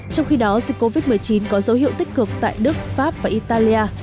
trong khi đó dịch covid một mươi chín có dấu hiệu tích cực tại đức pháp và italia